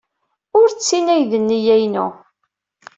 Ur d tin ay d nneyya-inu.